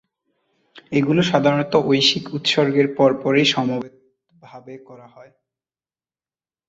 এগুলো সাধারণত ঐশিক উৎসর্গের পর পরই সমবেতভাবে করা হয়।